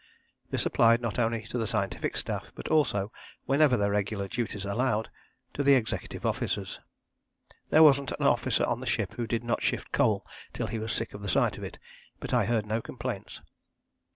This applied not only to the scientific staff but also, whenever their regular duties allowed, to the executive officers. There wasn't an officer on the ship who did not shift coal till he was sick of the sight of it, but I heard no complaints.